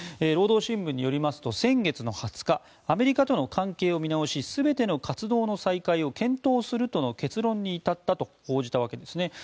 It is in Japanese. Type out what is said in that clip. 労働新聞によりますと先月２０日アメリカとの関係を見直し全ての活動の再開を検討するとの結論に至ったと報じたわけですね。